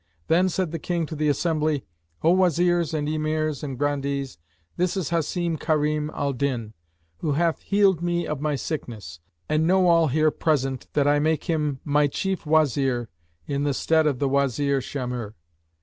Then said the King to the assembly, "O Wazirs and Emirs and Grandees, this is Hasim Karim al Din, who hath healed me of my sickness, and know all here present that I make him my Chief Wazir in the stead of the Wazir Shamhur."